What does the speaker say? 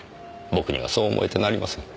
僕にはそう思えてなりません。